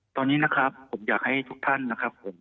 ตอนนี้นะครับผมอยากให้ทุกท่านนะครับผม